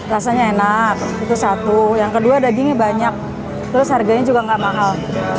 rasanya enak itu satu yang kedua dagingnya banyak terus harganya juga nggak mahal